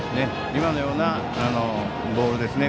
今のようなボールですね。